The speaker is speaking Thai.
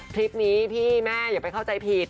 คลิปนี้พี่แม่อย่าไปเข้าใจผิด